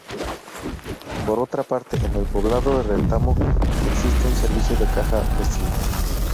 Por otra parte, en el poblado de Retamo existe un servicio de Caja Vecina.